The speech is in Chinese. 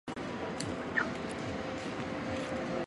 担任松发陶瓷有限公司总经理。